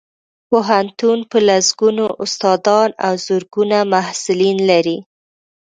پوهنتون په لسګونو استادان او زرګونه محصلین لري